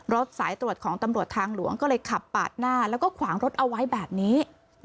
สายตรวจของตำรวจทางหลวงก็เลยขับปาดหน้าแล้วก็ขวางรถเอาไว้แบบนี้